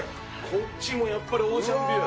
こっちもやっぱりオーシャンビュー。